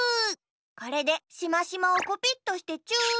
これでしましまをコピットしてチューすれば。